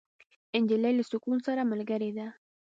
نجلۍ له سکون سره ملګرې ده.